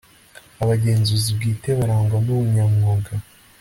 Abagenzuzi bwite barangwa n ubunyamwuga